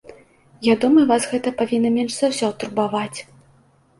Я думаю, вас гэта павінна менш за ўсё турбаваць.